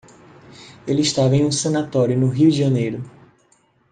Ele estava em um sanatório no Rio de Janeiro.